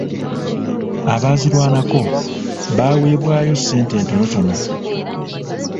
Abaazirwanako baweebwayo ssente etonotono.